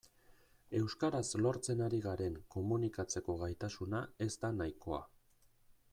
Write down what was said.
Euskaraz lortzen ari garen komunikatzeko gaitasuna ez da nahikoa.